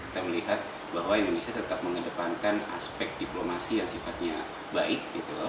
kita melihat bahwa indonesia tetap mengedepankan aspek diplomasi yang sifatnya baik